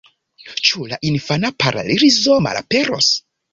Ĉu la infana paralizo malaperos?